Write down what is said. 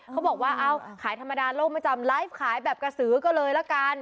เขาบอกว่าเอ้าขายธรรมดาโลกไม่จำไลฟ์ขายแบบกระสือก็เลยละกัน